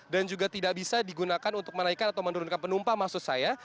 dan juga tidak bisa digunakan untuk menaikkan atau menurunkan penumpang maksud saya